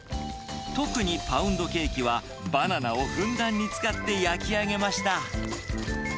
特にパウンドケーキは、バナナをふんだんに使って焼き上げました。